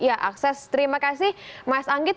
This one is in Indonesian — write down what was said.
ya akses terima kasih mas anggit